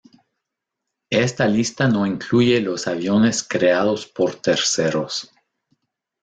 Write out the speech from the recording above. Esta lista no incluye los aviones creados por terceros.